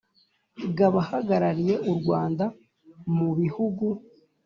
g Abahagarariye u Rwanda mu bihugu